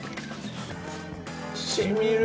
染みる！